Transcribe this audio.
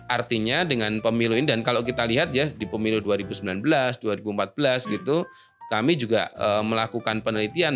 artinya dengan pemilu ini dan kalau kita lihat ya di pemilu dua ribu sembilan belas dua ribu empat belas gitu kami juga melakukan penelitian